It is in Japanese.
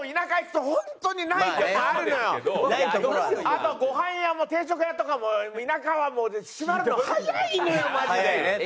あとごはん屋も定食屋とかも田舎はもう閉まるの早いのよマジで。